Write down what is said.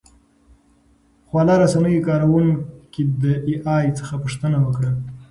خواله رسنیو کاروونکو د اې ای څخه پوښتنه وکړه.